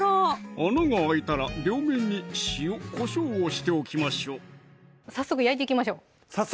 穴が開いたら両面に塩・こしょうをしておきましょう早速焼いていきましょう早速！